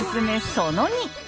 その２！